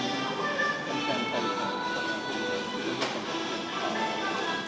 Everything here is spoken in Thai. สวัสดีครับทุกคน